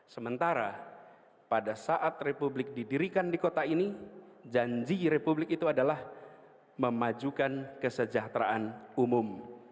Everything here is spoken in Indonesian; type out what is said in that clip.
sementara pada saat republik didirikan di kota ini janji republik itu adalah memajukan kesejahteraan umum